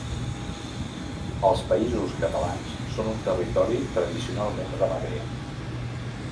Els Països Catalans són un territori tradicionalment ramader.